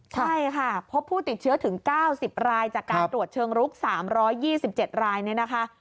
ใช่ค่ะพบผู้ติดเชื้อถึง๙๐รายจากการตรวจเชิงลุก๓๒๗รายเนี่ยนะคะ